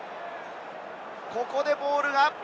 ここでボールが。